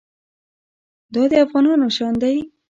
دا د افغانانو شان دی.